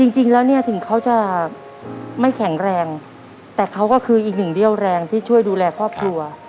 จริงแล้วเนี่ยถึงเขาจะไม่แข็งแรงแต่เขาก็คืออีกหนึ่งเรี่ยวแรงที่ช่วยดูแลครอบครัว